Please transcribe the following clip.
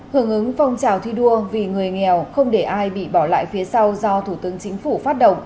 hưởng ứng phong trào thi đua vì người nghèo không để ai bị bỏ lại phía sau do thủ tướng chính phủ phát động